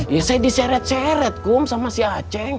ya saya diseret seret kum sama si aceh